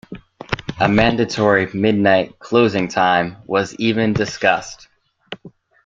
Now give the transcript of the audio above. A mandatory midnight closing time was even discussed.